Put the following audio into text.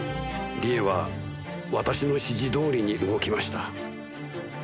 理恵は私の指示どおりに動きました。